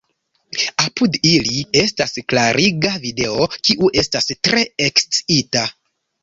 Apud ili estas klariga video, kiu estas tre ekscita.